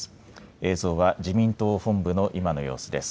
映像は、自民党本部の今の様子です。